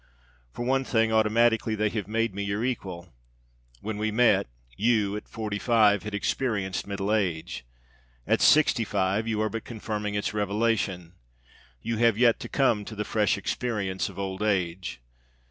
For one thing, automatically they have made me your equal. When we met, you, at forty five, had experienced middle age. At sixty five you are but confirming its revelation. You have yet to come to the fresh experience of old age.